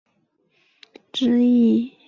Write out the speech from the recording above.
乌牛栏之役。